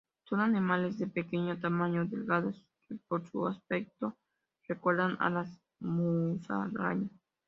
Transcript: Son animales de pequeño tamaño, delgados, que por su aspecto recuerdan a las musarañas.